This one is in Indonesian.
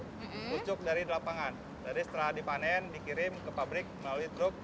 penerimaan bahan baku ucuk dari lapangan dari setelah dipanen dikirim ke pabrik melalui grup